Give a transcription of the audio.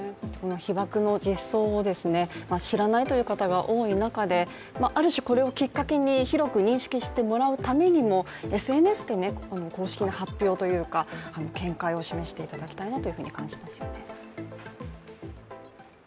被爆の実相を知らないという方が多い中である種、これをきっかけに広く認識してもらうためにもＳＮＳで公式に発表というか、見解を示していただきたいなというふうに感じますね